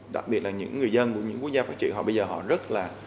đặc biệt là những người dân của những quốc gia phát triển họ bây giờ họ rất là